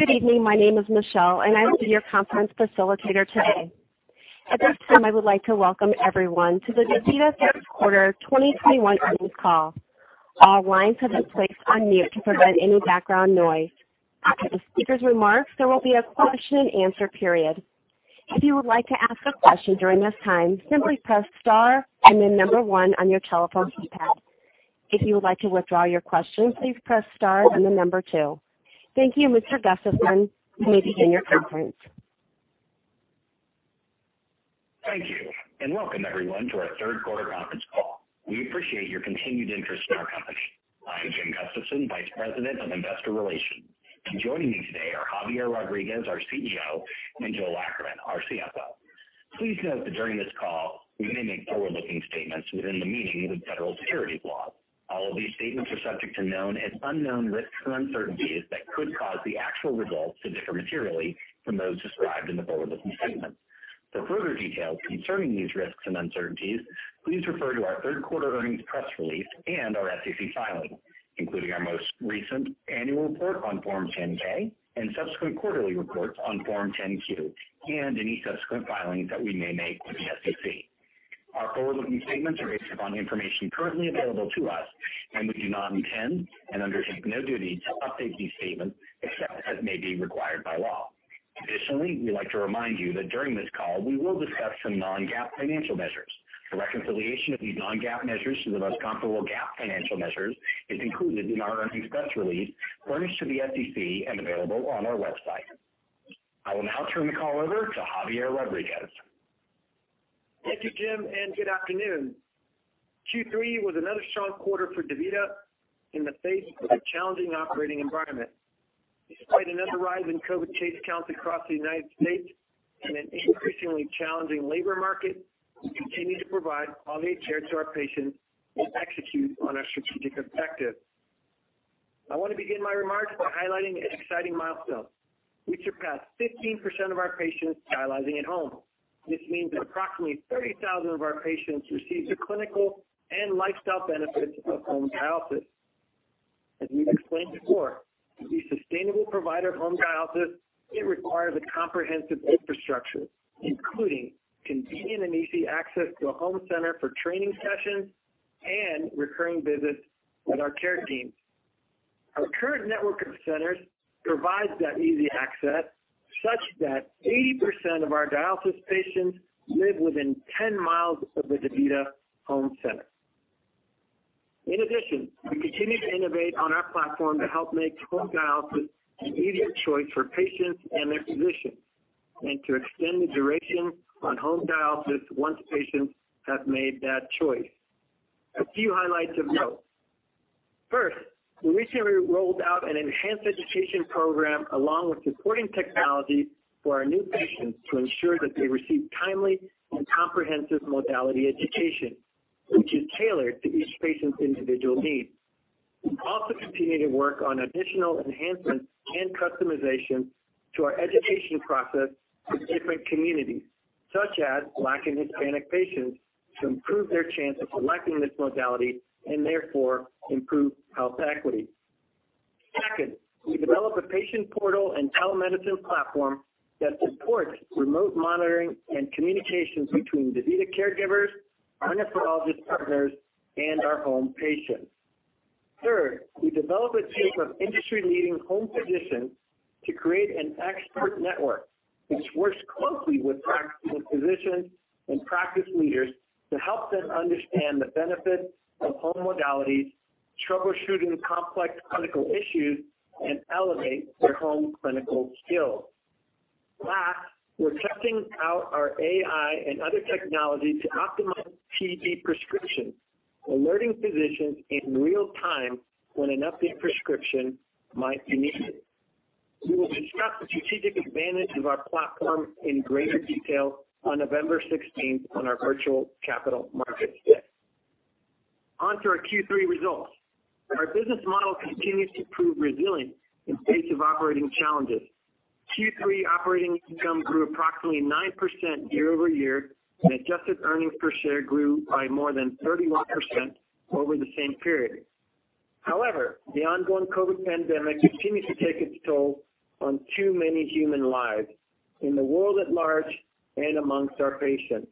Good evening. My name is Michelle, and I will be your conference facilitator today. At this time, I would like to welcome everyone to the DaVita Q3 2021 Earnings Call. All lines have been placed on mute to prevent any background noise. After the speaker's remarks, there will be a Q&A period. If you would like to ask a question during this time, simply press star and then one on your telephone keypad. If you would like to withdraw your question, please press star and then two. Thank you, Mr. Gustafson. You may begin your conference. Thank you, and welcome everyone to our Third Quarter Conference Call. We appreciate your continued interest in our company. I am Jim Gustafson, Vice President of Investor Relations. Joining me today are Javier Rodriguez, our CEO, and Joel Ackerman, our CFO. Please note that during this call, we may make forward-looking statements within the meaning of the federal securities laws. All of these statements are subject to known and unknown risks or uncertainties that could cause the actual results to differ materially from those described in the forward-looking statements. For further details concerning these risks and uncertainties, please refer to our third quarter earnings press release and our SEC filings, including our most recent annual report on Form 10-K and subsequent quarterly reports on Form 10-Q and any subsequent filings that we may make with the SEC. Our forward-looking statements are based upon the information currently available to us, and we do not intend and undertake no duty to update these statements except as may be required by law. Additionally, we'd like to remind you that during this call, we will discuss some non-GAAP financial measures. The reconciliation of these non-GAAP measures to the most comparable GAAP financial measures is included in our earnings press release, furnished to the SEC and available on our website. I will now turn the call over to Javier Rodriguez. Thank you, Jim, and good afternoon. Q3 was another strong quarter for DaVita in the face of a challenging operating environment. Despite another rise in COVID case counts across the United States and an increasingly challenging labor market, we continue to provide quality care to our patients and execute on our strategic objectives. I want to begin my remarks by highlighting an exciting milestone. We surpassed 15% of our patients dialyzing at home. This means that approximately 30,000 of our patients received the clinical and lifestyle benefits of home dialysis. As we explained before, to be a sustainable provider of home dialysis, it requires a comprehensive infrastructure, including convenient and easy access to a home center for training sessions and recurring visits with our care teams. Our current network of centers provides that easy access such that 80% of our dialysis patients live within 10 miles of a DaVita home center. In addition, we continue to innovate on our platform to help make home dialysis an easier choice for patients and their physicians and to extend the duration on home dialysis once patients have made that choice. A few highlights of note. First, we recently rolled out an enhanced education program along with supporting technology for our new patients to ensure that they receive timely and comprehensive modality education, which is tailored to each patient's individual needs. We also continue to work on additional enhancements and customization to our education process for different communities, such as Black and Hispanic patients, to improve their chance of selecting this modality and therefore improve health equity. Second, we developed a patient portal and telemedicine platform that supports remote monitoring and communications between DaVita caregivers, our nephrologist partners, and our home patients. Third, we developed a team of industry-leading home physicians to create an expert network which works closely with practicing physicians, and practice leaders to help them understand the benefits of home modalities, troubleshooting complex clinical issues, and elevate their home clinical skills. Last, we're testing out our AI and other technology to optimize PD prescriptions, alerting physicians in real time when an updated prescription might be needed. We will discuss the strategic advantage of our platform in greater detail on November 16th on our virtual Capital Markets Day. On to our Q3 results. Our business model continues to prove resilient in face of operating challenges. Q3 operating income grew approximately 9% year-over-year, and adjusted earnings per share grew by more than 31% over the same period. However, the ongoing COVID pandemic continues to take its toll on too many human lives in the world at large and amongst our patients.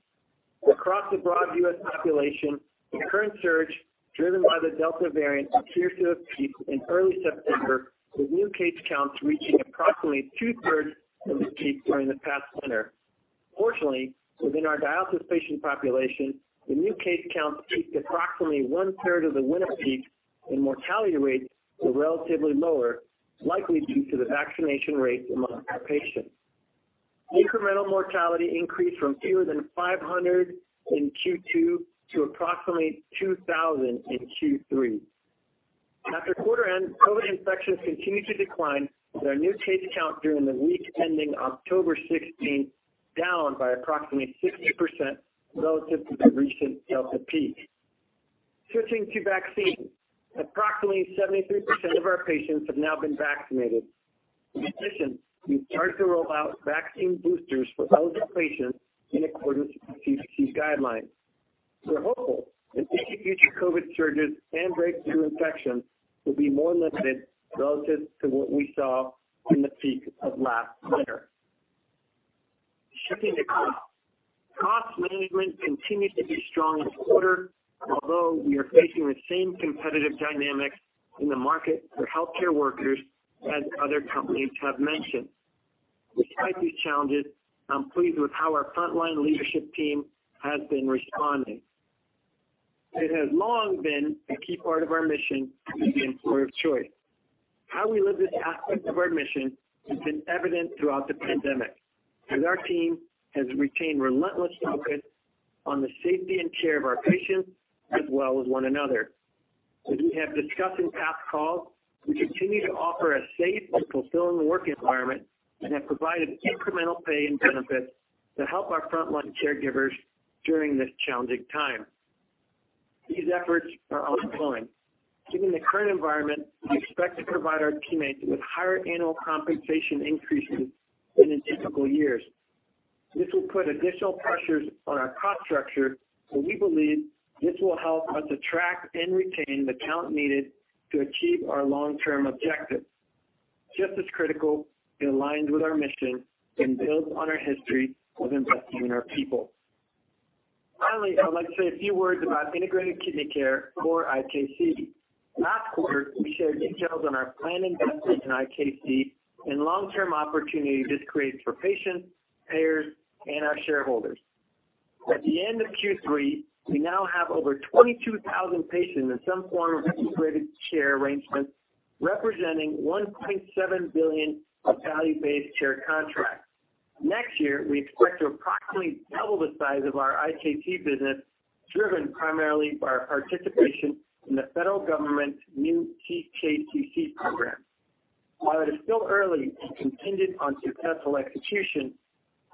Across the broad U.S. population, the current surge driven by the Delta variant appears to have peaked in early September, with new case counts reaching approximately 2/3 of the peak during the past-winter. Fortunately, within our dialysis patient population, the new case counts peaked approximately 1/3 of the winter peak, and mortality rates were relatively lower, likely due to the vaccination rates among our patients. Incremental mortality increased from fewer than 500 in Q2 to approximately 2,000 in Q3. After quarter end, COVID infections continued to decline, with our new case count during the week ending October 16th, down by approximately 60% relative to the recent Delta peak. Switching to vaccines, approximately 73% of our patients have now been vaccinated. In addition, we've started to roll out vaccine boosters for eligible patients in accordance with CDC guidelines. We're hopeful that any future COVID surges and breakthrough infections will be more limited relative to what we saw in the peak of last winter. Shifting to costs, cost management continued to be strong this quarter, although we are facing the same competitive dynamics in the market for healthcare workers as other companies have mentioned. Despite these challenges, I'm pleased with how our frontline leadership team has been responding. It has long been a key part of our mission to be employer of choice. How we live this aspect of our mission has been evident throughout the pandemic, as our team has retained relentless focus on the safety and care of our patients as well as one another. As we have discussed in past calls, we continue to offer a safe and fulfilling work environment and have provided incremental pay and benefits to help our frontline caregivers during this challenging time. These efforts are ongoing. Given the current environment, we expect to provide our teammates with higher annual compensation increases than in typical years. This will put additional pressures on our cost structure, but we believe this will help us attract and retain the talent needed to achieve our long-term objectives. Just as critical, it aligns with our mission and builds on our history of investing in our people. Finally, I would like to say a few words about Integrated Kidney Care, or IKC. Last quarter, we shared details on our planned investment in IKC and long-term opportunity this creates for patients, payers, and our shareholders. At the end of Q3, we now have over 22,000 patients in some form of integrated care arrangement, representing $1.7 billion of value-based care contracts. Next year, we expect to approximately double the size of our IKC business, driven primarily by our participation in the federal government's new CKCC program. While it is still early and contingent on successful execution,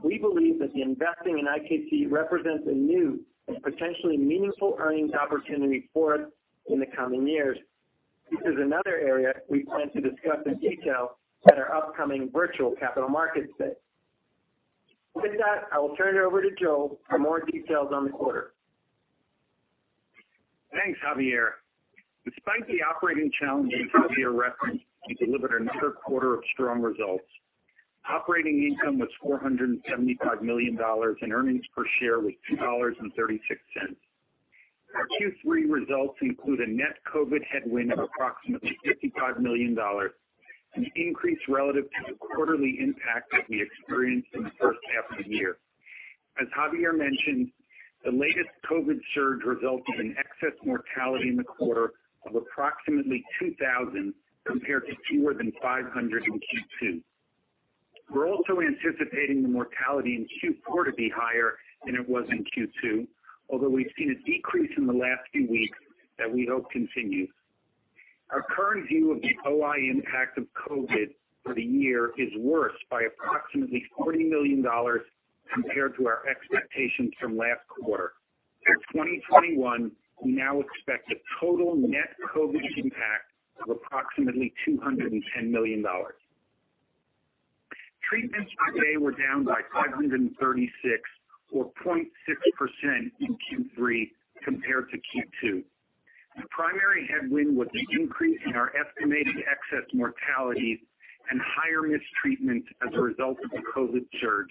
we believe that the investment in IKC represents a new and potentially meaningful earnings opportunity for us in the coming years. This is another area we plan to discuss in detail at our upcoming virtual Capital Markets Day. With that, I will turn it over to Joel for more details on the quarter. Thanks, Javier. Despite the operating challenges Javier referenced, we delivered another quarter of strong results. Operating income was $475 million, and earnings per share was $2.36. Our Q3 results include a net COVID headwind of approximately $55 million, an increase relative to the quarterly impact that we experienced in the first half of the year. As Javier mentioned, the latest COVID surge resulted in excess mortality in the quarter of approximately 2,000, compared to fewer than 500 in Q2. We're also anticipating the mortality in Q4 to be higher than it was in Q2, although we've seen a decrease in the last few weeks that we hope continues. Our current view of the OI impact of COVID for the year is worse by approximately $40 million compared to our expectations from last quarter. For 2021, we now expect a total net COVID impact of approximately $210 million. Treatments per day were down by 536, or 0.6% in Q3 compared to Q2. The primary headwind was the increase in our estimated excess mortalities and higher-risk treatments as a result of the COVID surge.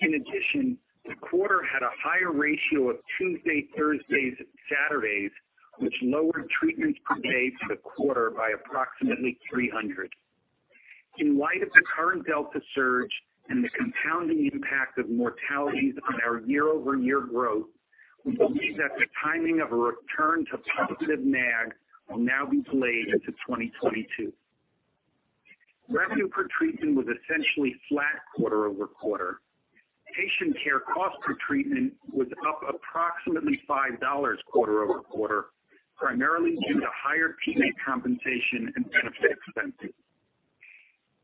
In addition, the quarter had a higher ratio of Tuesdays, Thursdays, and Saturdays, which lowered treatments per day for the quarter by approximately 300. In light of the current Delta surge and the compounding impact of mortalities on our year-over-year growth, we believe that the timing of a return to positive MAG will now be delayed into 2022. Revenue per treatment was essentially flat quarter-over-quarter. Patient care cost per treatment was up approximately $5 quarter-over-quarter, primarily due to higher teammate compensation and benefit expenses.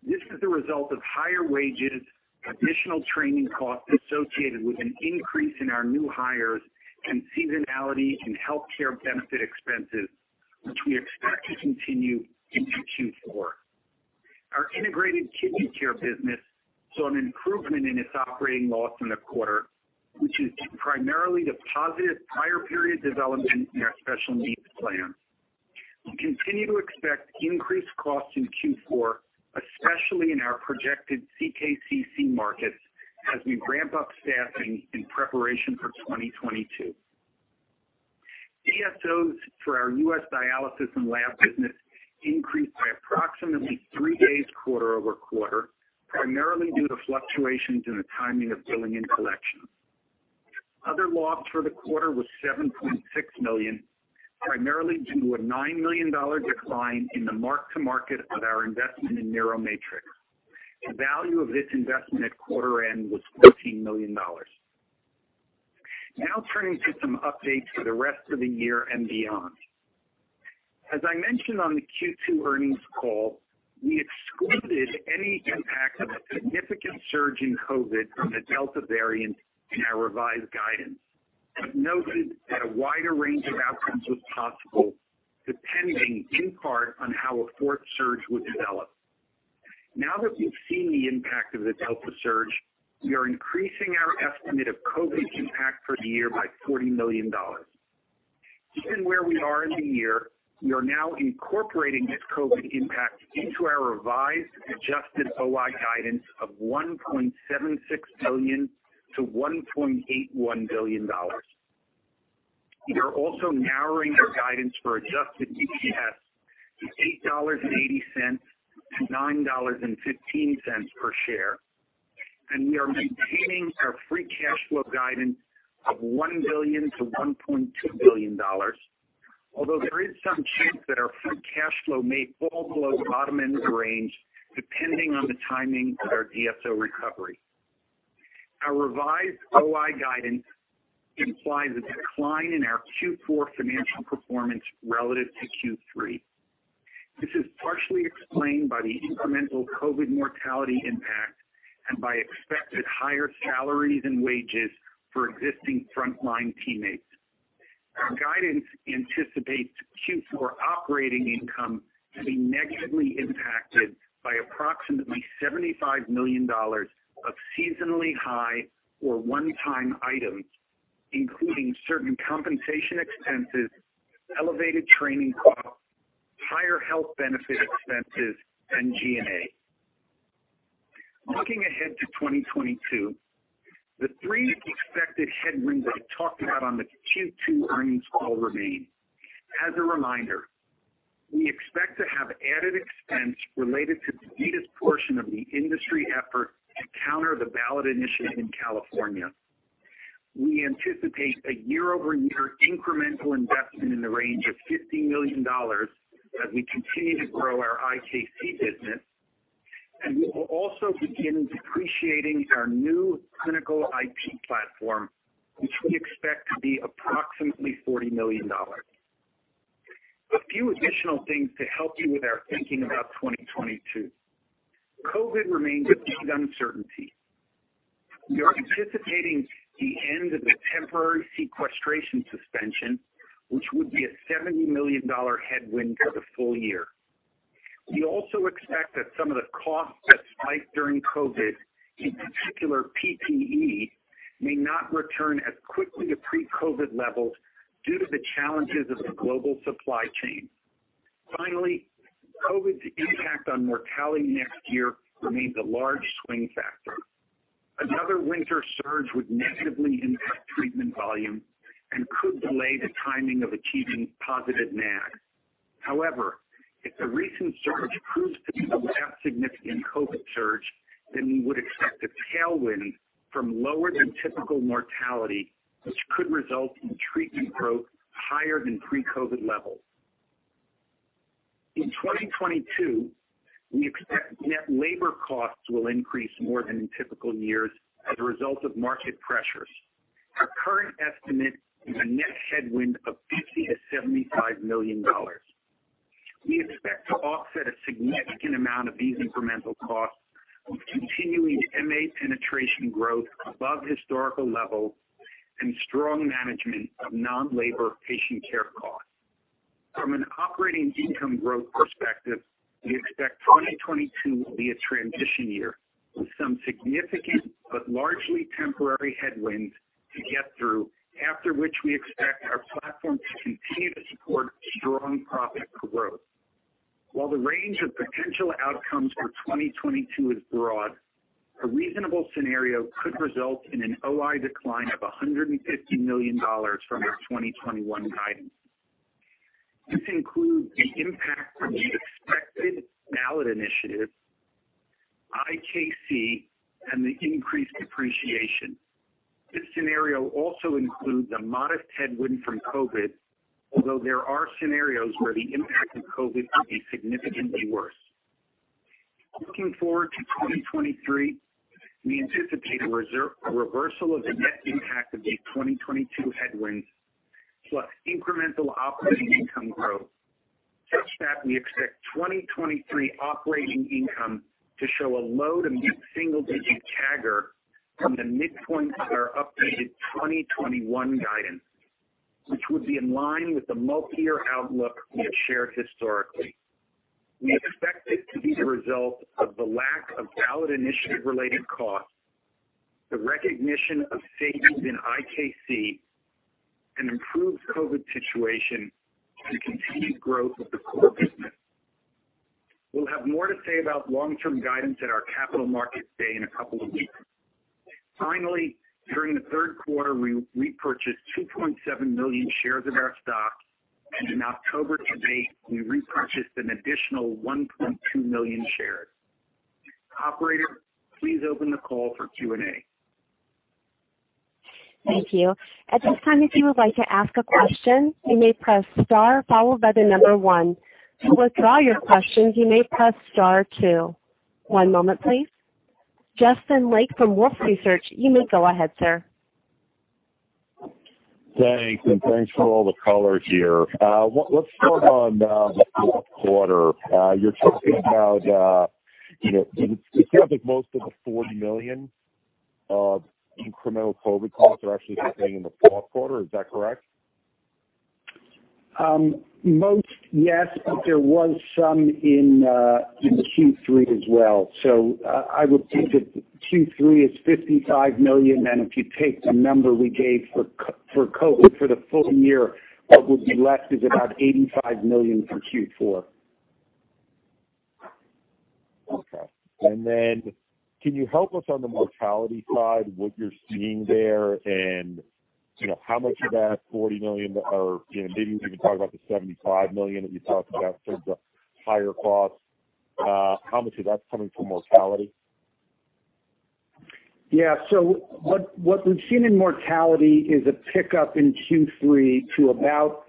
This is a result of higher wages, additional training costs associated with an increase in our new hires, and seasonality in healthcare benefit expenses, which we expect to continue into Q4. Our Integrated Kidney Care business saw an improvement in its operating loss in the quarter, which is due primarily to positive prior period development in our special needs plan. We continue to expect increased costs in Q4, especially in our projected CKCC markets as we ramp up staffing in preparation for 2022. DSOs for our U.S. dialysis and lab business increased by approximately three days quarter-over-quarter, primarily due to fluctuations in the timing of billing and collection. Other loss for the quarter was $7.6 million, primarily due to a $9 million decline in the mark-to-market of our investment in NeuroMetrix. The value of this investment at quarter end was $14 million. Now turning to some updates for the rest of the year and beyond. As I mentioned on the Q2 Earnings Call, we excluded any impact of a significant surge in COVID from the Delta variant in our revised guidance, but noted that a wider range of outcomes was possible, depending in part on how a fourth surge would develop. Now that we've seen the impact of the Delta surge, we are increasing our estimate of COVID impact for the year by $40 million. Given where we are in the year, we are now incorporating this COVID impact into our revised adjusted OI guidance of $1.76 billion-$1.81 billion. We are also narrowing our guidance for adjusted EPS to $8.80-$9.15 per share. We are maintaining our free cash flow guidance of $1 billion-$1.2 billion. Although there is some chance that our free cash flow may fall below the bottom end of the range, depending on the timing of our DSO recovery. Our revised OI guidance implies a decline in our Q4 financial performance relative to Q3. This is partially explained by the incremental COVID mortality impact and by expected higher salaries and wages for existing frontline teammates. Our guidance anticipates Q4 operating income to be negatively impacted by approximately $75 million of seasonally high or onetime items, including certain compensation expenses, elevated training costs, higher health benefit expenses and G&A. Looking ahead to 2022, the three expected headwinds I talked about on the Q2 earnings call remain. As a reminder, we expect to have added expense related to DaVita's portion of the industry effort to counter the ballot initiative in California. We anticipate a year-over-year incremental investment in the range of $50 million as we continue to grow our IKC business, and we will also begin depreciating our new clinical IT platform, which we expect to be approximately $40 million. A few additional things to help you with our thinking about 2022. COVID remains a big uncertainty. We are anticipating the end of the temporary sequestration suspension, which would be a $70 million headwind for the full-year. We also expect that some of the costs that spiked during COVID, in particular, PPE, may not return as quickly to pre-COVID levels due to the challenges of the global supply chain. Finally, COVID's impact on mortality next year remains a large swing factor. Another winter surge would negatively impact treatment volume and could delay the timing of achieving positive OI. However, if the recent surge proves to be the last significant COVID surge, then we would expect a tailwind from lower than typical mortality, which could result in treatment growth higher than pre-COVID levels. In 2022, we expect net labor costs will increase more than in typical years as a result of market pressures. Our current estimate is a net headwind of $50 million-$75 million. We expect to offset a significant amount of these incremental costs with continuing MA penetration growth above historical levels and strong management of non-labor patient care costs. From an operating income growth perspective, we expect 2022 will be a transition year with some significant but largely temporary headwinds to get through, after which we expect our platform to continue to support strong profit growth. While the range of potential outcomes for 2022 is broad, a reasonable scenario could result in an OI decline of $150 million from our 2021 guidance. This includes the impact from the expected ballot initiative, IKC, and the increased depreciation. This scenario also includes a modest headwind from COVID, although there are scenarios where the impact of COVID could be significantly worse. Looking forward to 2023, we anticipate a reversal of the net impact of these 2022 headwinds, plus incremental operating income growth, such that we expect 2023 operating income to show a low to mid-single-digit CAGR from the midpoint of our updated 2021 guidance, which would be in line with the multi-year outlook we have shared historically. We expect this to be the result of the lack of ballot initiative-related costs, the recognition of savings in IKC, an improved COVID situation, and continued growth of the core business. We'll have more to say about long-term guidance at our Capital Markets Day in a couple of weeks. Finally, during the third quarter, we repurchased 2.7 million shares of our stock, and in October to-date, we repurchased an additional 1.2 million shares. Operator, please open the call for Q&A. Thank you. At this time, if you would like to ask a question, you may press star followed by the number one. To withdraw your question, you may press star, two. Justin Lake from Wolfe Research, you may go ahead, sir. Thanks, and thanks for all the color here. Let's start on the fourth quarter. You're talking about, you know, it sounds like most of the $40 million of incremental COVID costs are actually happening in the fourth quarter. Is that correct? Most, yes, but there was some in Q3 as well. I would think that Q3 is $55 million, and if you take the number we gave for COVID for the full year, what would be left is about $85 million for Q4. Okay. Can you help us on the mortality side, what you're seeing there and, you know, how much of that $40 million or, you know, maybe you can talk about the $75 million that you talked about towards the higher costs, how much of that's coming from mortality? Yeah. What we've seen in mortality is a pick-up in Q3 to about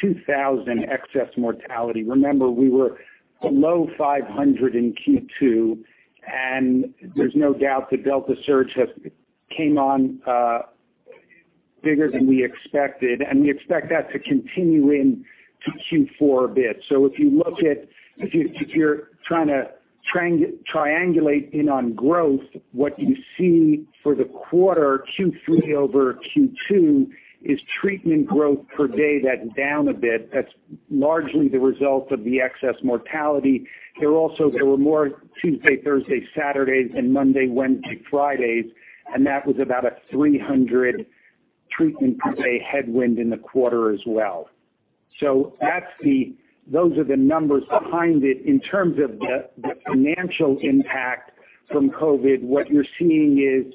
2,000 excess mortality. Remember, we were below 500 in Q2, and there's no doubt the Delta surge has came on bigger than we expected, and we expect that to continue into Q4 a bit. If you're trying to triangulate in on growth, what you see for the quarter, Q3 over Q2, is treatment growth per day that's down a bit. That's largely the result of the excess mortality. There also were more Tuesday, Thursday, Saturdays and Monday, Wednesday, Fridays, and that was about a 300 treatment per day headwind in the quarter as well. Those are the numbers behind it. In terms of the financial impact from COVID, what you're seeing is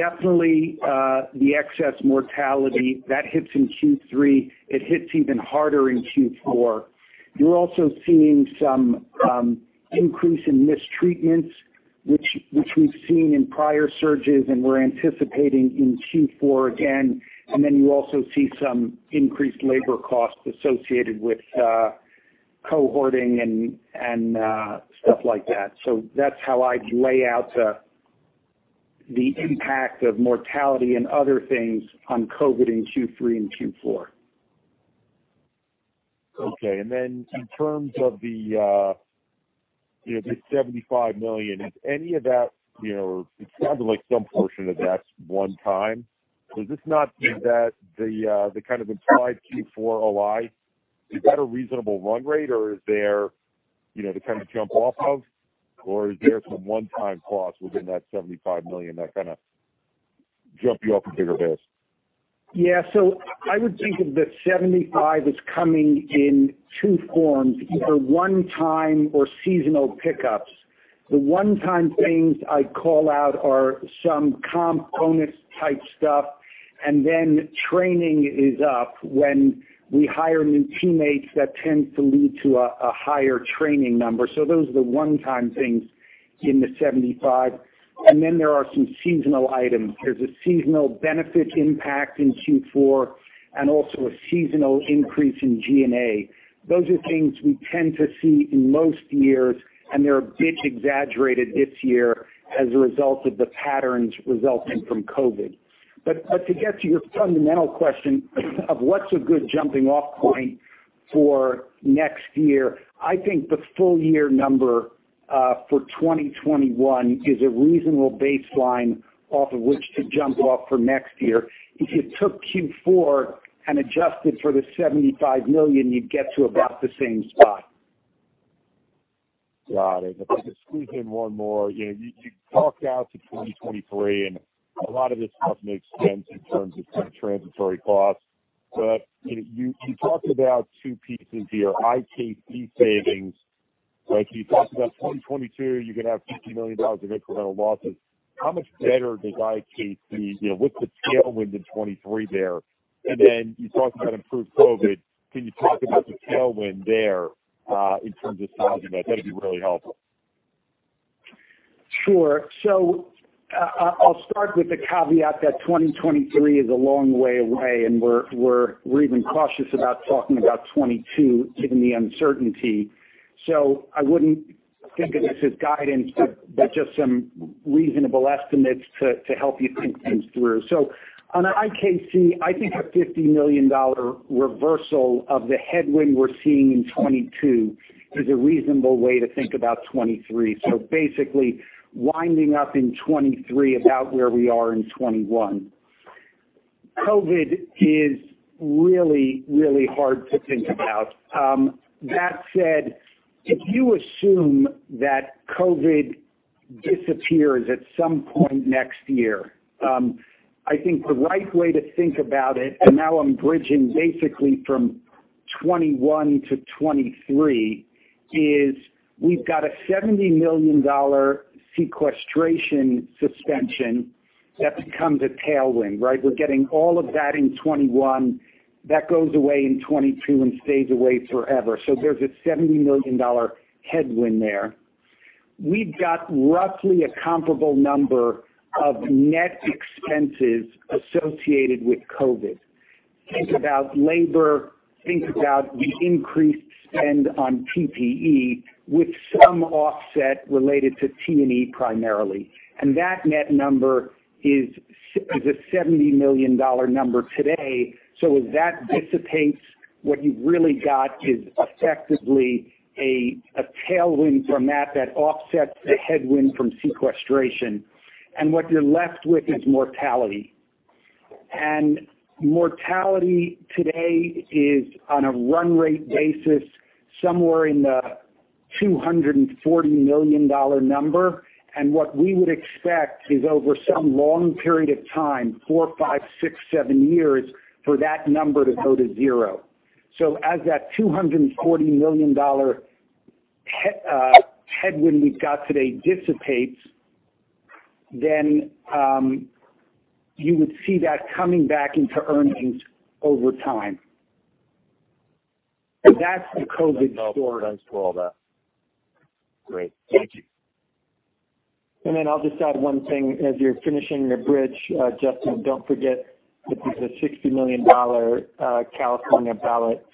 definitely the excess mortality. That hits in Q3. It hits even harder in Q4. You're also seeing some increase in missed treatments, which we've seen in prior surges and we're anticipating in Q4 again. Then you also see some increased labor costs associated with cohorting and stuff like that. That's how I'd lay out the impact of mortality and other things on COVID in Q3 and Q4. Okay. In terms of the, you know, the $75 million, is any of that, you know, it sounded like some portion of that's one-time. Is that not the kind of implied Q4 OI? Is that a reasonable run rate or is there, you know, to kind of jump off of? Or is there some one-time cost within that $75 million that kind of jump you off a bigger base? Yeah. I would think that 75 is coming in two forms, either one time or seasonal pickups. The one-time things I'd call out are some comp bonus type stuff, and then training is up. When we hire new teammates, that tends to lead to a higher training number. Those are the one-time things in the 75. There are some seasonal items. There's a seasonal benefit impact in Q4 and also a seasonal increase in G&A. Those are things we tend to see in most years, and they're a bit exaggerated this year as a result of the patterns resulting from COVID. To get to your fundamental question of what's a good jumping off point for next year, I think the full year number for 2021 is a reasonable baseline off of which to jump off for next year. If you took Q4 and adjusted for the $75 million, you'd get to about the same spot. Got it. If I could squeeze in one more. You know, you talked out to 2023, and a lot of this stuff makes sense in terms of kind of transitory costs. You know, you talked about two pieces here, IKC savings. Like, you talked about 2022, you're gonna have $50 million of incremental losses. How much better does IKC, you know, what's the tailwind in 2023 there? And then you talked about improved COVID. Can you talk about the tailwind there, in terms of sizing that? That'd be really helpful. Sure. I'll start with the caveat that 2023 is a long way away, and we're even cautious about talking about 2022 given the uncertainty. I wouldn't think of this as guidance, but just some reasonable estimates to help you think things through. On IKC, I think a $50 million reversal of the headwind we're seeing in 2022 is a reasonable way to think about 2023. Basically winding up in 2023 about where we are in 2021. COVID is really, really hard to think about. That said, if you assume that COVID disappears at some point next year, I think the right way to think about it, and now I'm bridging basically from 2021 to 2023, is we've got a $70 million sequestration suspension that becomes a tailwind, right? We're getting all of that in 2021. That goes away in 2022 and stays away forever. There's a $70 million headwind there. We've got roughly a comparable number of net expenses associated with COVID. Think about labor, think about the increased spend on PPE with some offset related to T&E primarily. That net number is a $70 million number today. As that dissipates, what you've really got is effectively a tailwind from that that offsets the headwind from sequestration. What you're left with is mortality. Mortality today is on a run rate basis, somewhere in the $240 million number. What we would expect is over some long period of time, four, five, six, seven years for that number to go to zero. As that $240 million headwind we've got today dissipates, then you would see that coming back into earnings over time. That's the COVID story. Thanks for all that. Great. Thank you. I'll just add one thing as you're finishing the bridge, Justin. Don't forget that there's a $60 million California ballot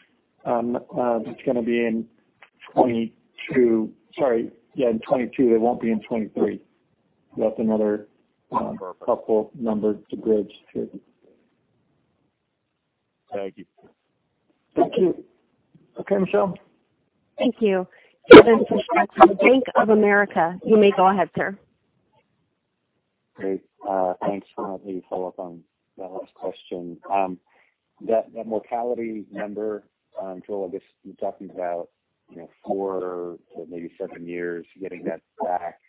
that's gonna be in 2022. Sorry. Yeah, in 2022, it won't be in 2023. That's another couple number to bridge too. Thank you. Thank you. Okay, Michelle? Thank you. Kevin from Bank of America, you may go ahead, sir. Great. Thanks for letting me follow up on that last question. That mortality number, Joel, I guess you're talking about, you know, four to maybe seven years getting that back.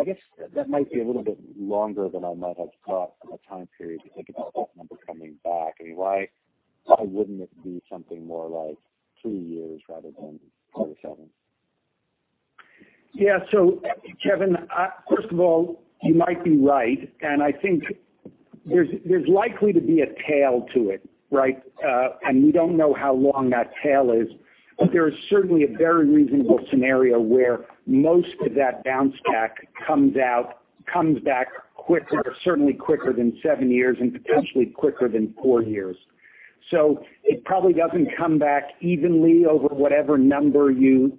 I guess that might be a little bit longer than I might have thought for the time period to think about that number coming back. I mean, why wouldn't it be something more like three years rather than four to seven? Kevin, first of all, you might be right, and I think there's likely to be a tail to it, right? We don't know how long that tail is. There is certainly a very reasonable scenario where most of that bounce back comes back quicker, certainly quicker than seven years and potentially quicker than four years. It probably doesn't come back evenly over whatever number you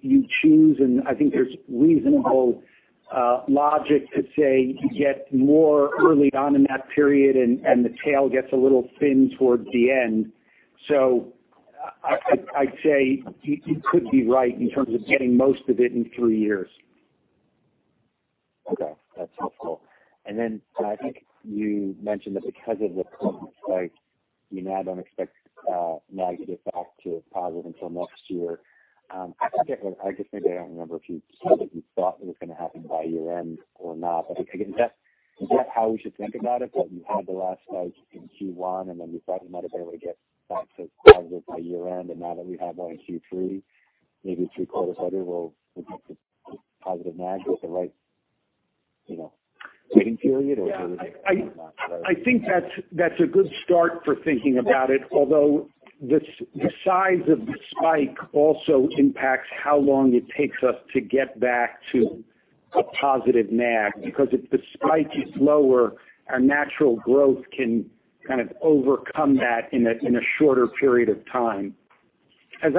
choose, and I think there's reasonable logic to say you get more early on in that period, and the tail gets a little thin towards the end. I'd say you could be right in terms of getting most of it in three years. Okay. That's helpful. I think you mentioned that because of the COVID spike, you now don't expect negative back to positive until next year. I forget I guess maybe I don't remember if you said if you thought it was gonna happen by year-end or not, but I think is that, is that how we should think about it, that you had the last spike in Q1, and then you thought you might have been able to get back to positive by year-end, and now that we have one in Q3, maybe three quarters later, we'll get to positive MAG. Is that the right, you know, thinking period, or...? Yeah. I think that's a good start for thinking about it. Although the size of the spike also impacts how long it takes us to get back to a positive MAG. Because if the spike is lower, our natural growth can kind of overcome that in a shorter period of time. As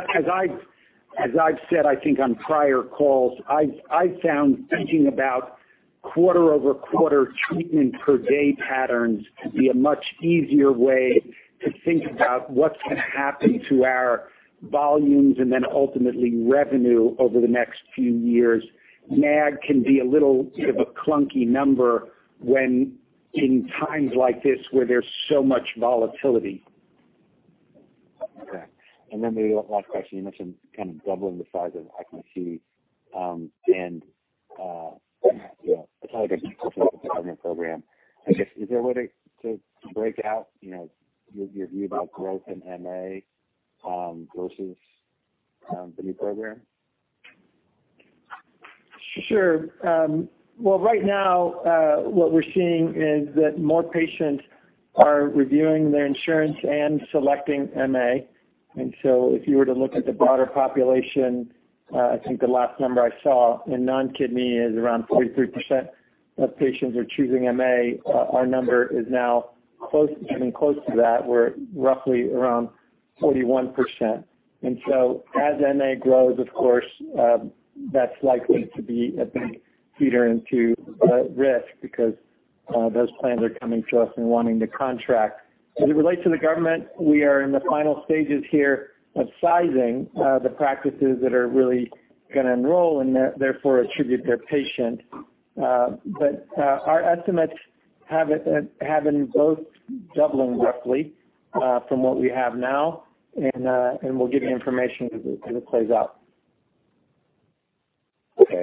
I've said, I think on prior calls, I've found thinking about quarter-over-quarter treatment per day patterns to be a much easier way to think about what's gonna happen to our volumes and then ultimately revenue over the next few years. MAG can be a little bit of a clunky number when in times like this where there's so much volatility. Okay. Maybe one last question. You mentioned kind of doubling the size of IKC, and you know, it's not like a government program. I guess, is there a way to break out, you know, your view about growth in MA versus the new program? Sure. Well, right now, what we're seeing is that more patients are reviewing their insurance and selecting MA. If you were to look at the broader population, I think the last number I saw in non-kidney is around 43% of patients are choosing MA. Our number is now close, getting close to that. We're roughly around 41%. As MA grows, of course, that's likely to be a big feeder into the risk because those plans are coming to us and wanting to contract. As it relates to the government, we are in the final stages here of sizing the practices that are really gonna enroll and therefore attribute their patient. Our estimates have it both doubling roughly from what we have now, and we'll give you information as it plays out.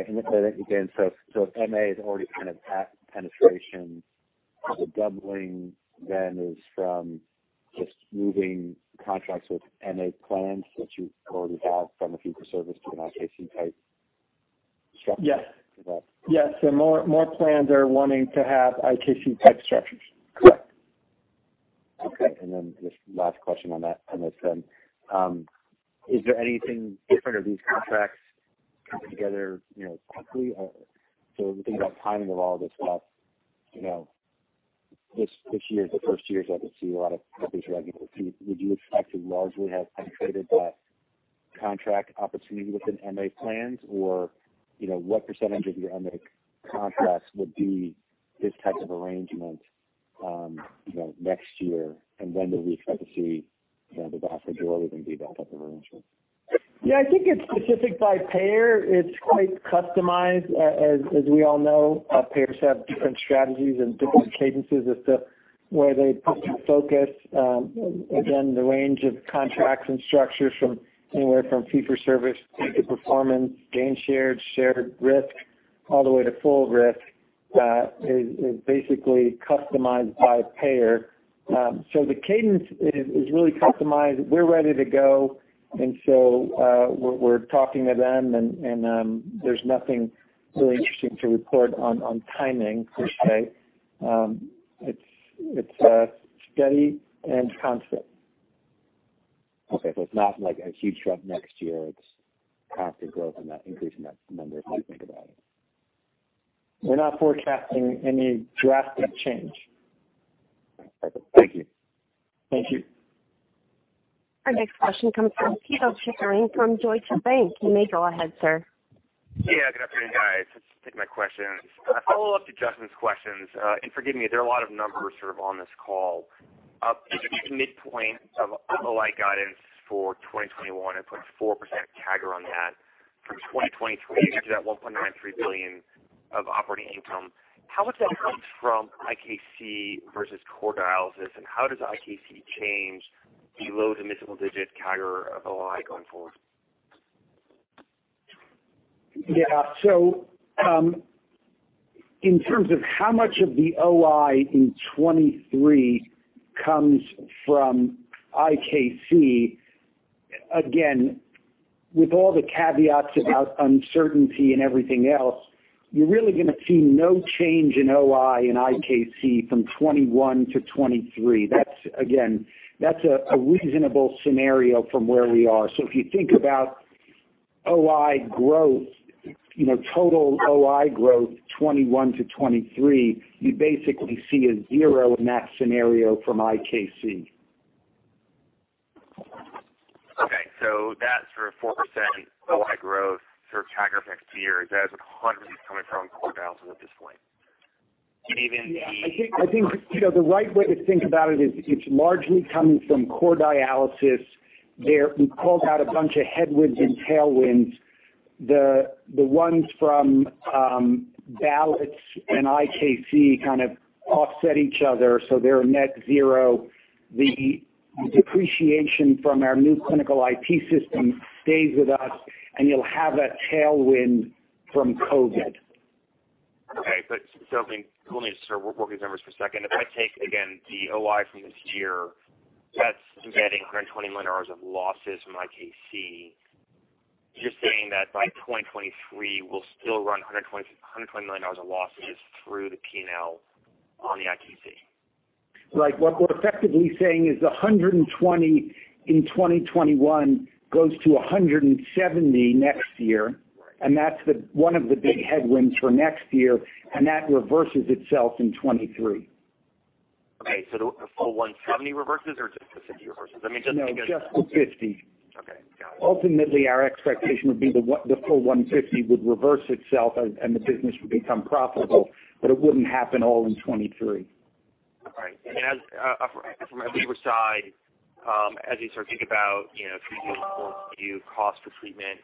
Okay. Again, so if MA is already kind of at penetration, the doubling then is from just moving contracts with MA plans that you already have from a fee for service to an IKC type structure? Yes. Is that? Yes. More plans are wanting to have IKC type structures. Correct. Okay. Then just last question on that, on this then. Is there anything different? Are these contracts coming together, you know, monthly or? So if we think about timing of all this stuff, you know, this year is the first year that I can see a lot of these renewals. Would you expect to largely have penetrated that contract opportunity within MA plans? Or, you know, what percentage of your MA contracts would be this type of arrangement? You know, next year and when do we expect to see kind of the brokerage or everything be back up and running? Yeah, I think it's specific by payer. It's quite customized. As, as we all know, payers have different strategies and different cadences as to where they put their focus. Again, the range of contracts and structures from anywhere from fee for service to pay for performance, gain shared risk, all the way to full risk, is basically customized by payer. So the cadence is really customized. We're ready to go. We're talking to them and there's nothing really interesting to report on timing per se. It's steady and constant. Okay. It's not like a huge jump next year, it's constant growth in that increase in that number, if you think about it. We're not forecasting any drastic change. Thank you. Thank you. Our next question comes from Pito Chickering from Deutsche Bank. You may go ahead, sir. Yeah, good afternoon, guys. Let's take my questions. A follow-up to Justin's questions. Forgive me, there are a lot of numbers sort of on this call. If you take the midpoint of OI guidance for 2021, it puts 4% CAGR on that from 2023 to that $1.93 billion of operating income. How much of that comes from IKC versus core dialysis? And how does IKC change the low- to mid-single-digit CAGR of OI going forward? Yeah. In terms of how much of the OI in 2023 comes from IKC, again, with all the caveats about uncertainty and everything else, you're really gonna see no change in OI and IKC from 2021-2023. That's again a reasonable scenario from where we are. If you think about OI growth, you know, total OI growth 2021-2023, you basically see a zero in that scenario from IKC. Okay. That sort of 4% OI growth sort of CAGR next year, is that 100 coming from core dialysis at this point? Yeah. I think, you know, the right way to think about it is it's largely coming from core dialysis. There we called out a bunch of headwinds and tailwinds. The ones from bad debt and IKC kind of offset each other, so they're net zero. The depreciation from our new clinical IT system stays with us, and you'll have that tailwind from COVID. Okay. I mean, let me just sort of work these numbers for a second. If I take again the OI from this year, that's embedding $120 million of losses from IKC. You're saying that by 2023, we'll still run $120 million of losses through the P&L on the IKC? Right. What we're effectively saying is the $120 in 2021 goes to $170 next year. Right. That's one of the big headwinds for next year, and that reverses itself in 2023. Okay. The full 170 reverses or just the 50 reverses? I mean, just because. No, just the 50. Okay. Got it. Ultimately, our expectation would be the full $150 would reverse itself and the business would become profitable, but it wouldn't happen all in 2023. All right. As from a labor side, as you sort of think about, you know, 3Q and 4Q cost per treatment,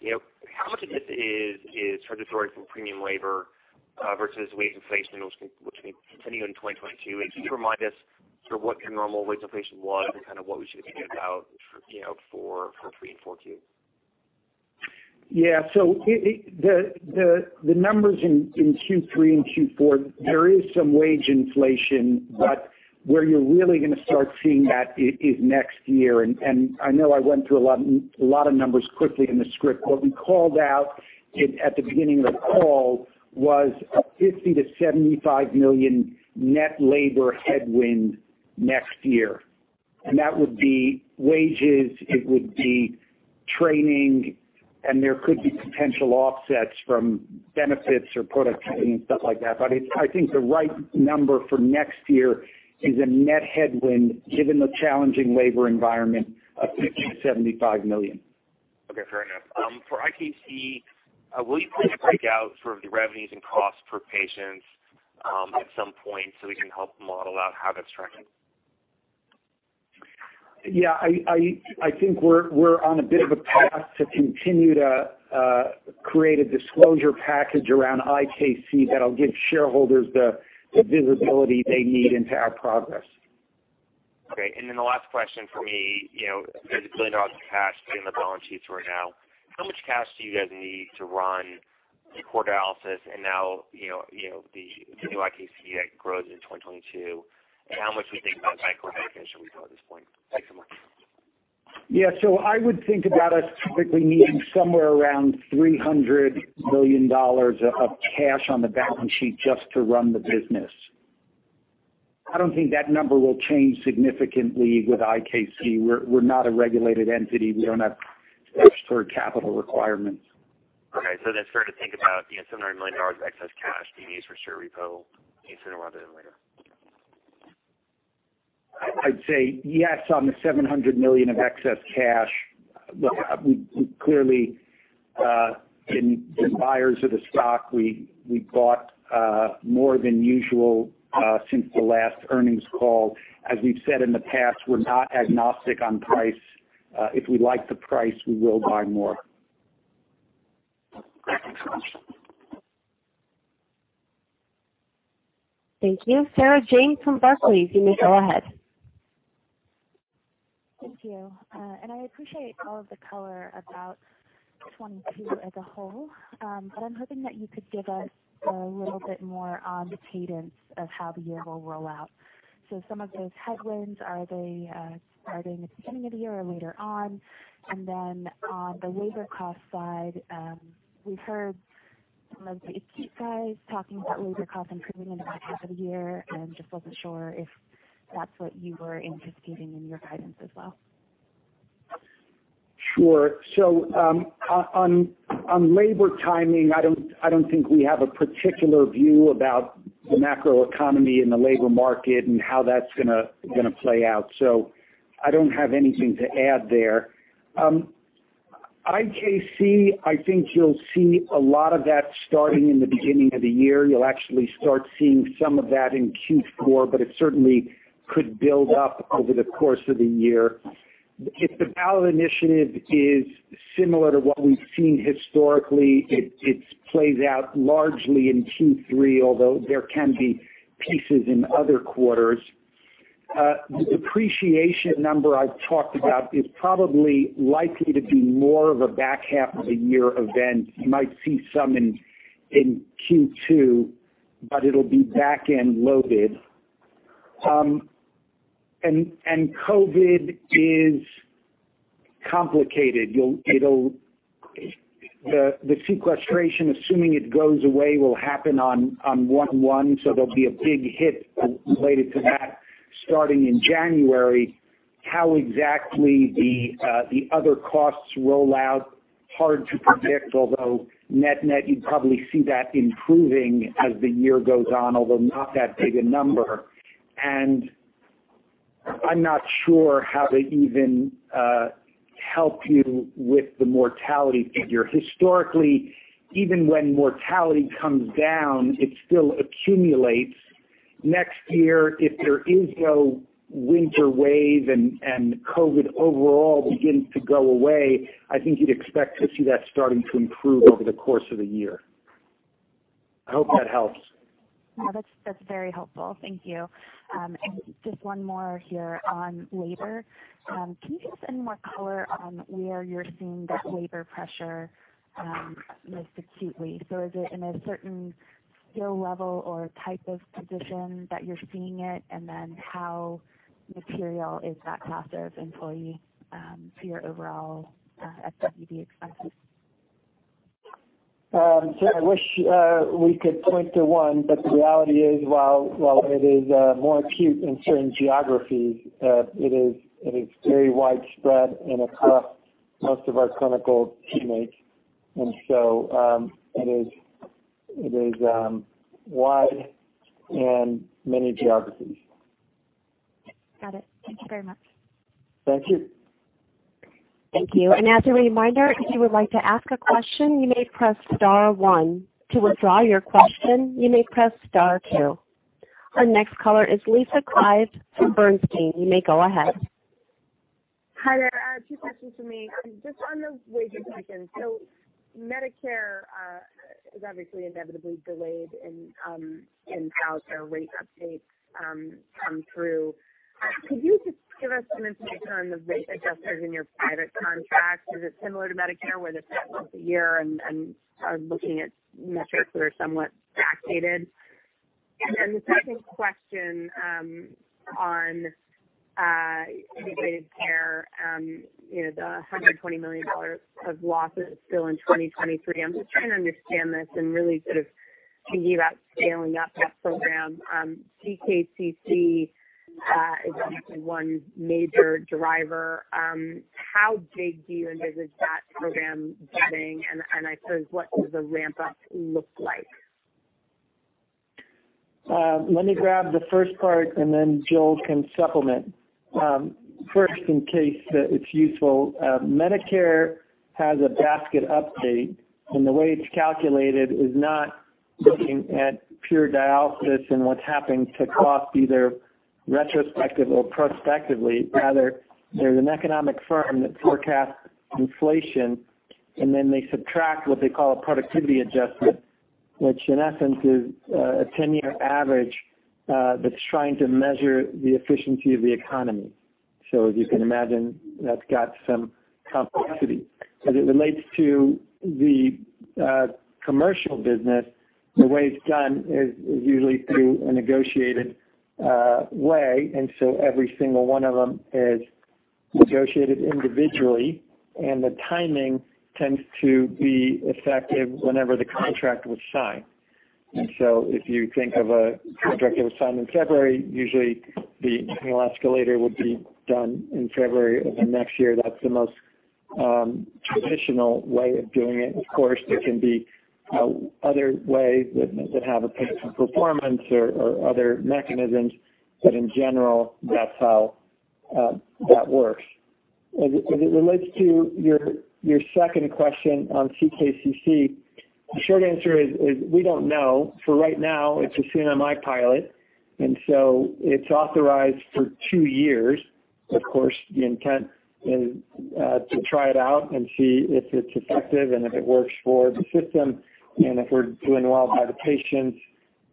you know, how much of this is transitory from premium labor versus wage inflation, which may continue into 2022? Can you remind us sort of what your normal wage inflation was and kind of what we should think about for, you know, 3Q and 4Q? Yeah. The numbers in Q3 and Q4, there is some wage inflation, but where you're really gonna start seeing that is next year. I know I went through a lot of numbers quickly in the script. What we called out at the beginning of the call was a $50 million-$75 million net labor headwind next year. That would be wages, it would be training, and there could be potential offsets from benefits or productivity and stuff like that. I think the right number for next year is a net headwind given the challenging labor environment of $50 million-$75 million. Okay. Fair enough. For IKC, will you plan to break out sort of the revenues and costs per patients at some point so we can help model out how that's trending? Yeah. I think we're on a bit of a path to continue to create a disclosure package around IKC that'll give shareholders the visibility they need into our progress. Okay. Then the last question for me, you know, there's $1 billion of cash sitting on the balance sheets right now. How much cash do you guys need to run the core dialysis and now, you know, the new IKC that grows in 2022? How much do you think about share repurchase at this point? Thanks so much. Yeah. I would think about us typically needing somewhere around $300 million of cash on the balance sheet just to run the business. I don't think that number will change significantly with IKC. We're not a regulated entity. We don't have strict capital requirements. It's fair to think about, you know, $700 million of excess cash being used for share repo sooner rather than later. I'd say yes on the $700 million of excess cash. Look, we're clearly buyers of the stock. We bought more than usual since the last earnings call. As we've said in the past, we're not agnostic on price. If we like the price, we will buy more. Next question. Thank you. Sarah James from Barclays, you may go ahead. Thank you. I appreciate all of the color about 2022 as a whole. I'm hoping that you could give us a little bit more on the cadence of how the year will roll out. Some of those headwinds, are they starting at the beginning of the year or later on? On the labor cost side, we've heard some of the acute guys talking about labor costs improving in the back half of the year, and just wasn't sure if that's what you were anticipating in your guidance as well. Sure. On labor timing, I don't think we have a particular view about the macroeconomy and the labor market and how that's gonna play out. I don't have anything to add there. IKC, I think you'll see a lot of that starting in the beginning of the year. You'll actually start seeing some of that in Q4, but it certainly could build up over the course of the year. If the ballot initiative is similar to what we've seen historically, it plays out largely in Q3, although there can be pieces in other quarters. The depreciation number I've talked about is probably likely to be more of a back half of the year event. You might see some in Q2, but it'll be back-end loaded. COVID is complicated. The sequestration, assuming it goes away, will happen on 1/1, so there'll be a big hit related to that starting in January. How exactly the other costs roll out, hard to predict, although net-net, you'd probably see that improving as the year goes on, although not that big a number. I'm not sure how to even help you with the mortality figure. Historically, even when mortality comes down, it still accumulates. Next year, if there is no winter wave and COVID overall begins to go away, I think you'd expect to see that starting to improve over the course of the year. I hope that helps. Yeah, that's very helpful. Thank you. Just one more here on labor. Can you give us any more color on where you're seeing that labor pressure most acutely? Is it in a certain skill level or type of position that you're seeing it? How material is that class of employee to your overall SWB expenses? I wish we could point to one, but the reality is, while it is more acute in certain geographies, it is very widespread and across most of our clinical teammates. It is wide in many geographies. Got it. Thank you very much. Thank you. Thank you. As a reminder, if you would like to ask a question, you may press star one. To withdraw your question, you may press star two. Our next caller is Lisa Clive from Bernstein. You may go ahead. Hi there. Two questions from me. Just on the wage increase. Medicare is obviously inevitably delayed in how their rate updates come through. Could you just give us some information on the rate adjusters in your private contracts? Is it similar to Medicare, where they set once a year and are looking at metrics that are somewhat backdated? Then the second question, on integrated care, you know, the $120 million of losses still in 2023. I'm just trying to understand this and really sort of thinking about scaling up that program. CKCC is obviously one major driver. How big do you envisage that program getting? And I suppose what does the ramp up look like? Let me grab the first part and then Joel can supplement. First, in case it's useful, Medicare has a basket update, and the way it's calculated is not looking at pure dialysis and what's happening to cost either retrospective or prospectively. Rather, there's an economic firm that forecasts inflation, and then they subtract what they call a productivity adjustment, which in essence is a 10-year average that's trying to measure the efficiency of the economy. As you can imagine, that's got some complexity. As it relates to the commercial business, the way it's done is usually through a negotiated way, and so every single one of them is negotiated individually, and the timing tends to be effective whenever the contract was signed. If you think of a contract that was signed in February, usually the annual escalator would be done in February of the next year. That's the most Traditional way of doing it. Of course, there can be other ways that have a patient performance or other mechanisms. But in general, that's how that works. As it relates to your second question on CKCC, the short answer is we don't know. For right now, it's a CMMI pilot, and so it's authorized for two years. Of course, the intent is to try it out and see if it's effective and if it works for the system and if we're doing well by the patients.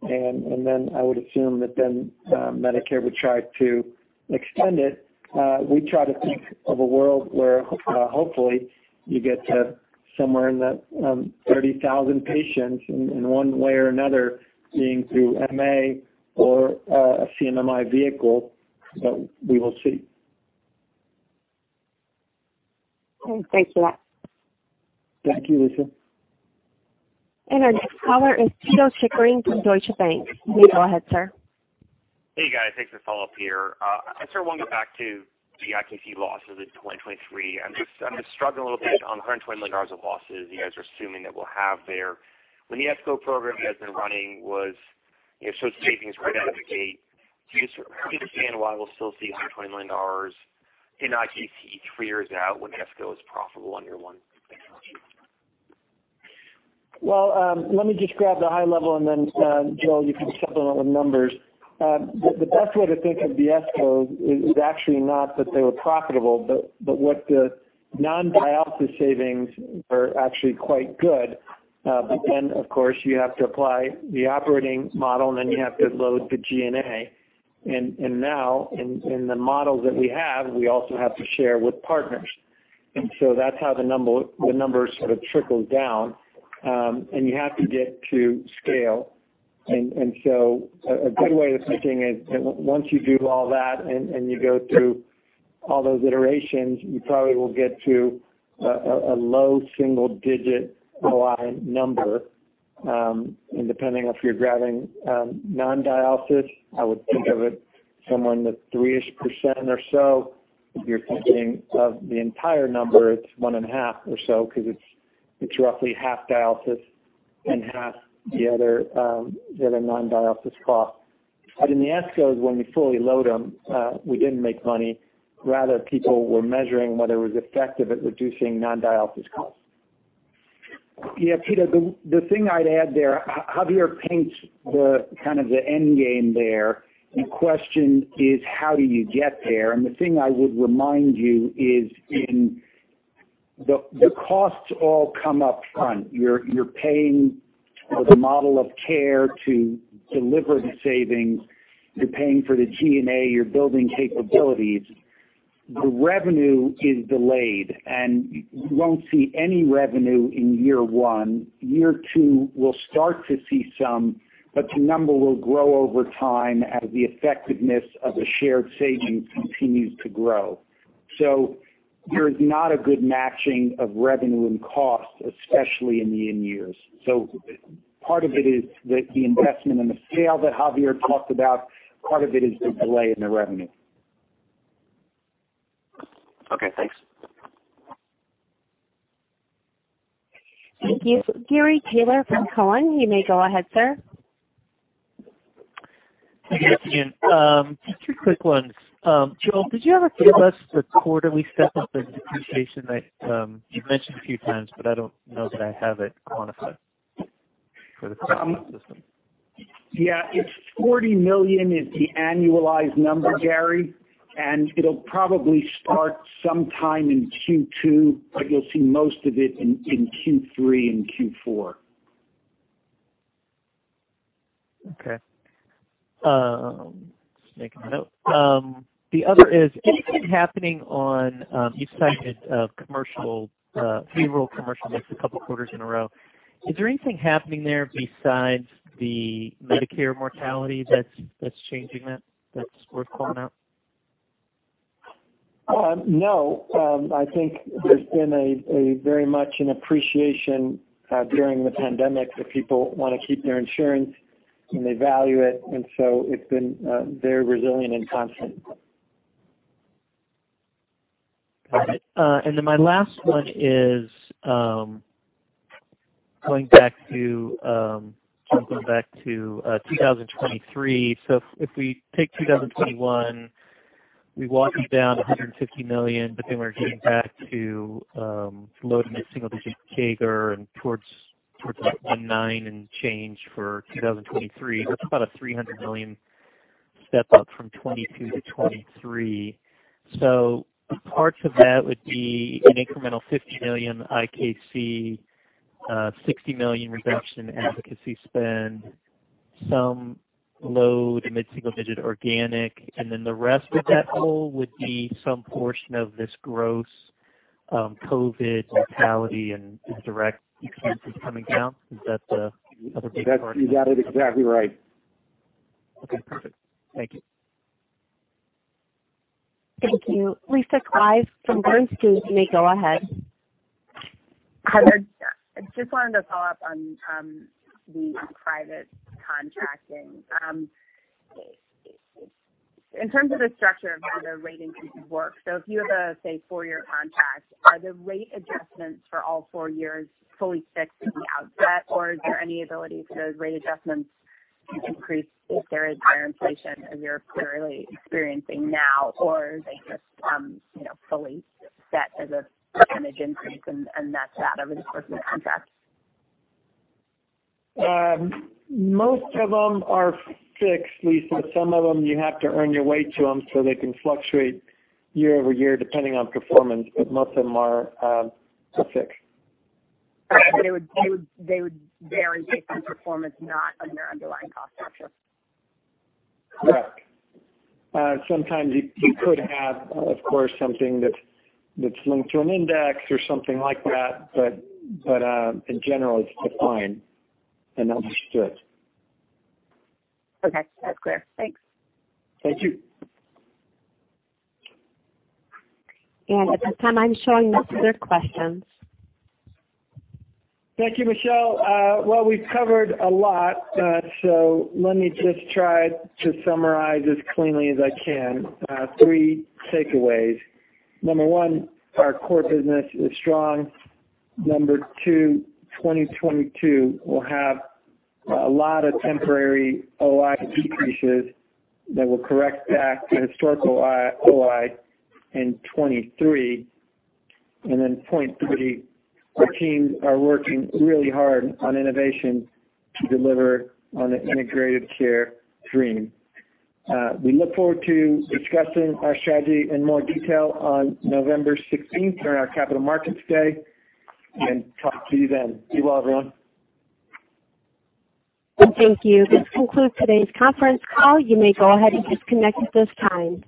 I would assume that Medicare would try to extend it. We try to think of a world where hopefully you get to somewhere in that 30,000 patients in one way or another being through MA or a CMMI vehicle, but we will see. Okay, thanks a lot. Thank you, Lisa. Our next caller is Pito Chickering from Deutsche Bank. You may go ahead, sir. Hey, guys. Thanks for the follow-up here. I sort of want to get back to the IKC losses in 2023. I'm just struggling a little bit on the $120 million of losses you guys are assuming that we'll have there. When the ESCO program you guys been running showed savings right out of the gate. Can you understand why we'll still see a $120 million in IKC three years out when ESCO is profitable on year one? Well, let me just grab the high level, and then, Joel, you can supplement with numbers. The best way to think of the ESCO is actually not that they were profitable, but what the non-dialysis savings were actually quite good. But then, of course, you have to apply the operating model, and then you have to load the G&A. Now in the models that we have, we also have to share with partners. That's how the numbers sort of trickle down. You have to get to scale. A good way of thinking is once you do all that and you go through all those iterations, you probably will get to a low single-digit ROI number. Depending if you're grabbing non-dialysis, I would think of it somewhere in the 3%-ish or so. If you're thinking of the entire number, it's 1.5% or so because it's roughly half dialysis and half the other non-dialysis costs. In the ESCOs, when we fully load them, we didn't make money. Rather, people were measuring whether it was effective at reducing non-dialysis costs. Yeah, Pito, the thing I'd add there. Javier paints the kind of the end game there. The question is how do you get there? The thing I would remind you is in the costs all come up front. You're paying for the model of care to deliver the savings. You're paying for the G&A. You're building capabilities. The revenue is delayed, and you won't see any revenue in year one. Year two, we'll start to see some, but the number will grow over time as the effectiveness of the shared savings continues to grow. There is not a good matching of revenue and costs, especially in the years. Part of it is the investment and the scale that Javier talked about, part of it is the delay in the revenue. Okay, thanks. Thank you. Gary Taylor from Cowen. You may go ahead, sir. Thank you. Just two quick ones. Joel, did you ever give us the quarterly step up in depreciation that you've mentioned a few times, but I don't know that I have it quantified for the system? It's $40 million, is the annualized number, Gary, and it'll probably start sometime in Q2, but you'll see most of it in Q3 and Q4. Okay. Just making a note. You've cited a commercial fee-for-service mix a couple quarters in a row. Is there anything happening there besides the Medicare mortality that's changing that that's worth calling out? No. I think there's been a very much an appreciation during the pandemic that people wanna keep their insurance and they value it. It's been very resilient and constant. Got it. And then my last one is going back to 2023. If we take 2021, we walk you down $150 million, but then we're getting back to loading a single digit CAGR and towards like 19 and change for 2023. That's about a $300 million step up from 2022-2023. Parts of that would be an incremental $50 million IKC, $60 million reduction advocacy spend, some load and mid-single-digit organic, and then the rest of that hole would be some portion of this gross COVID mortality and indirect expenses coming down. Is that the other big part? You got it exactly right. Okay, perfect. Thank you. Thank you. Lisa Clive from Bernstein. You may go ahead. Hi, there. I just wanted to follow-up on the private contracting. In terms of the structure of how the rating can work, so if you have a, say, four-year contract, are the rate adjustments for all four years fully fixed from the outset, or is there any ability for those rate adjustments to increase if there is higher inflation as you're currently experiencing now, or are they just fully set as a percentage increase and that's that over the course of the contract? Most of them are fixed, Lisa. Some of them, you have to earn your way to them so they can fluctuate year-over-year depending on performance, but most of them are, so fixed. They would vary based on performance, not on your underlying cost structure. Correct. Sometimes you could have, of course, something that's linked to an index or something like that. In general, it's defined and understood. Okay. That's clear. Thanks. Thank you. At this time, I'm showing no further questions. Thank you, Michelle. We've covered a lot, so let me just try to summarize as cleanly as I can. Three takeaways. Number one, our core business is strong. Number two, 2022 will have a lot of temporary OI decreases that will correct back to historical OI in 2023. Point three, our teams are working really hard on innovation to deliver on the integrated care dream. We look forward to discussing our strategy in more detail on November 16th during our Capital Markets Day, and talk to you then. Be well, everyone. Thank you. This concludes today's conference call. You may go ahead and disconnect at this time.